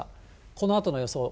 このあとの予想。